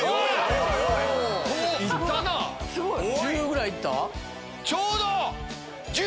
１０ぐらい行った？